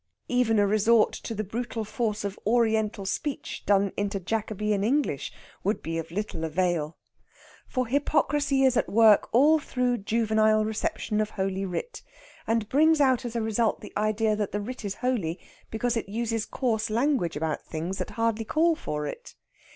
Even a resort to the brutal force of Oriental speech done into Jacobean English would be of little avail. For hypocrisy is at work all through juvenile reception of Holy Writ, and brings out as a result the idea that that writ is holy because it uses coarse language about things that hardly call for it.